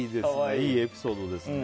いいエピソードですね。